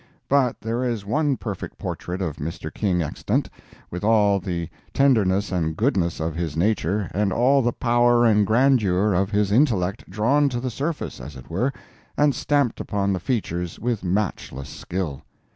But there is one perfect portrait of Mr. King extant, with all the tenderness and goodness of his nature, and all the power and grandeur of his intellect drawn to the surface, as it were, and stamped upon the features with matchless skill.